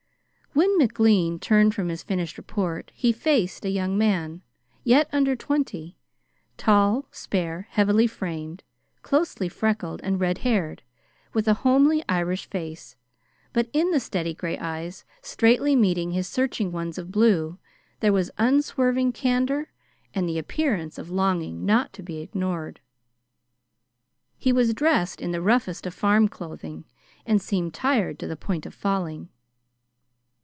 When McLean turned from his finished report, he faced a young man, yet under twenty, tall, spare, heavily framed, closely freckled, and red haired, with a homely Irish face, but in the steady gray eyes, straightly meeting his searching ones of blue, there was unswerving candor and the appearance of longing not to be ignored. He was dressed in the roughest of farm clothing, and seemed tired to the point of falling.